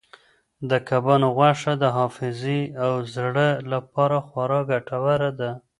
د کبانو غوښه د حافظې او زړه لپاره خورا ګټوره ده.